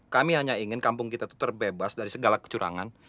kami hanya ingin kampung kita itu terbebas dari segala kecurangan